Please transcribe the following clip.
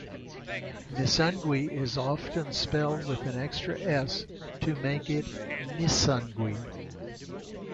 Misungwi is often spelled with an extra 's' to make it Missungwi.